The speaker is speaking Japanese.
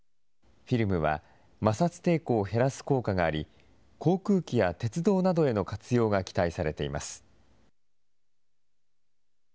フィルムは摩擦抵抗を減らす効果があり、航空機や鉄道などへの活用が期待されています。